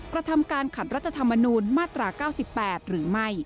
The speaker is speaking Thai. กระทำการขัดรัฐธรรมนูญมาตรา๙๘หรือไม่